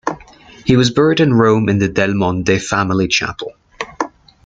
He was buried in Rome in the Del Monte family chapel.